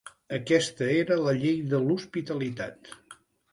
Aquesta era la llei de l'hospitalitat.